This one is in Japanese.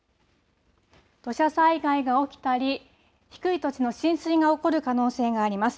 土砂災害が起きたり低い土地の浸水が起こる可能性があります。